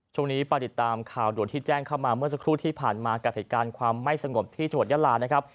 ช่วงนี้ไปติดตามข่าวด่วนที่แจ้งเข้ามาเมื่อสักครู่ที่ผ่านมากับเหตุการณ์ความไม่สงบที่จังหวัดยาลานะครับ